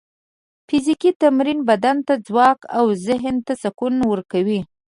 فزیکي تمرین بدن ته ځواک او ذهن ته سکون ورکوي.